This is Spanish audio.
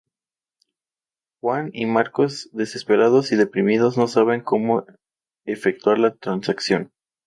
Juan y Marcos, desesperados y deprimidos, no saben cómo podrán efectuar la transacción.